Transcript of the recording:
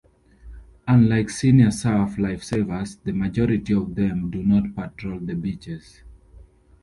Unlike senior Surf Lifesavers, the majority of them do not patrol the beaches.